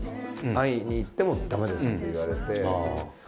会いに行っても駄目ですって言われて。